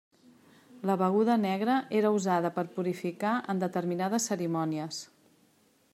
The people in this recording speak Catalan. La beguda negra era usada per a purificar en determinades cerimònies.